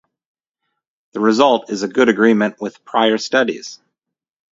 This result is in good agreement with prior studies.